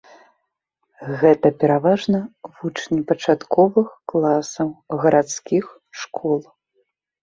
Гэта пераважна вучні пачатковых класаў гарадскіх школ.